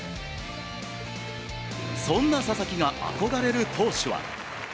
そんな佐々木が憧れる投手は。